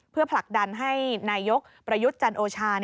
เพื่อผลักดันให้นายกประยุทธ์จันโอชา